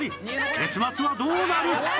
結末はどうなる？